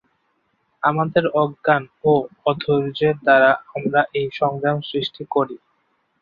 আমাদের অজ্ঞান ও অধৈর্যের দ্বারা আমরা এই সংগ্রাম সৃষ্টি করি।